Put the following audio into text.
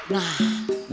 nah polisi datang